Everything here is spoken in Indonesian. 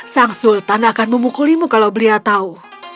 sang sultan akan memukulimu kalau beliau tahu